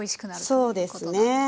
そうですね。